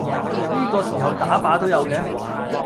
呢個時候打靶都有嘅？